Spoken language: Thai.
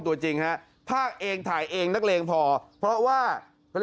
ไปหาครูแม่บ้าน